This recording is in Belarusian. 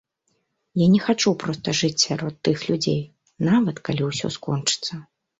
Я не хачу проста жыць сярод тых людзей, нават калі ўсё скончыцца.